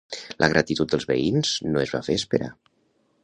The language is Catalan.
La gratitud dels veïns no es va fer esperar.